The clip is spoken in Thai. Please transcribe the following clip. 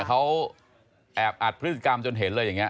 เขาแอบอัดพฤติกรรมจนเห็นเลยอย่างนี้